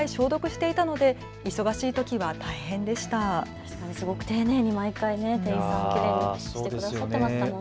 確かにすごく丁寧に毎回、店員さんきれいにしてくださっていましたもんね。